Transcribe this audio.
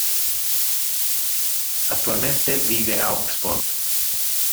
Attualmente vive a Oxford.